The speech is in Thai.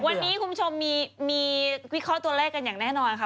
วันนี้คุณผู้ชมมีวิเคราะห์ตัวเลขกันอย่างแน่นอนค่ะ